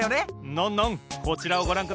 ノンノンこちらをごらんください。